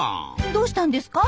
どうしたんですか？